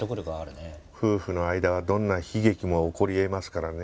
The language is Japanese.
夫婦の間はどんな悲劇も起こり得ますからね。